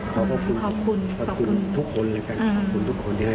ชื่อต้องเขียน